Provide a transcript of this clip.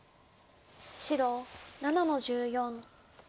白７の十四。